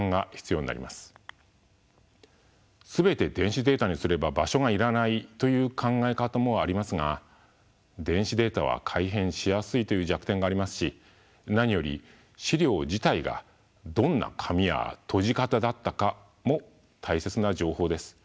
全て電子データにすれば場所が要らないという考え方もありますが電子データは改変しやすいという弱点がありますし何より資料自体がどんな紙やとじ方だったかも大切な情報です。